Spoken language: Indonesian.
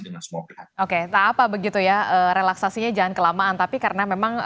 oke tak apa begitu ya relaksasinya jangan kelamaan tapi karena memang